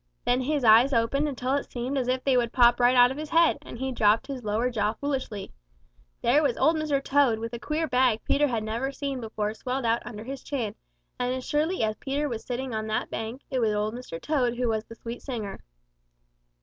Then his eyes opened until it seemed as if they would pop right out of his head, and he dropped his lower jaw foolishly. There was Old Mr. Toad with a queer bag Peter never had seen before swelled out under his chin, and as surely as Peter was sitting on that bank, it was Old Mr. Toad who was the sweet singer!